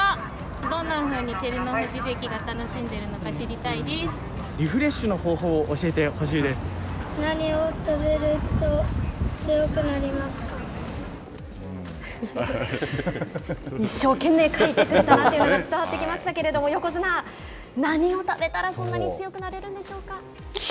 どんなふうに照ノ富士関が楽しんでいるのかリフレッシュの方法を何を食べると一生懸命書いてくれたなというのが伝わってきましたけど横綱、何を食べたらそんなに強くなれるんでしょうか。